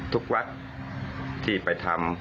ทุกวัดที่ไปทำ